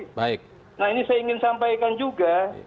nah ini saya ingin sampaikan juga